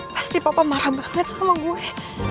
pasti papa marah banget sama gue